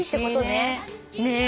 ねえ。